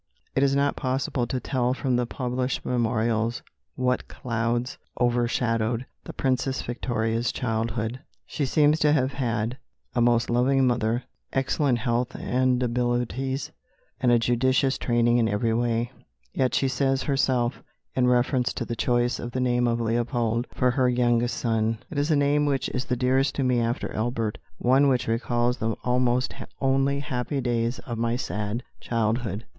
It is not possible to tell from the published memorials what clouds overshadowed the Princess Victoria's childhood. She seems to have had a most loving mother, excellent health and abilities, and a judicious training in every way; yet she says herself, in reference to the choice of the name of Leopold for her youngest son, "It is a name which is the dearest to me after Albert, one which recalls the almost only happy days of my sad childhood."